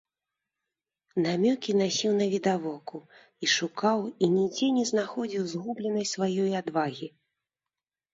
Намёкі насіў навідавоку і шукаў і нідзе не знаходзіў згубленай сваёй адвагі.